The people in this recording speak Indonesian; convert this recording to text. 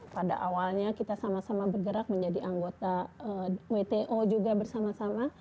pada awalnya kita sama sama bergerak menjadi anggota wto juga bersama sama